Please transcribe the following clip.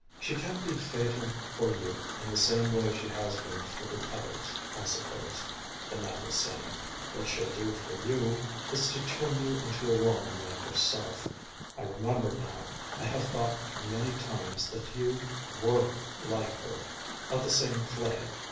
"She can't be fatal for you in the same way she has been for the others, of course," the man was saying. "What she'll do for you is to turn you into a woman like herself. I remember now, I have thought many times, that you were like her ... of the same clay.